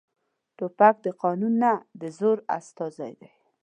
توپک د قانون نه، د زور استازی دی.